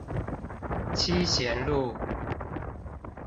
七賢路